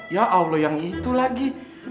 ya allah yang itu lagi